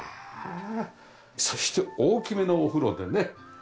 そして大きめのお風呂でね。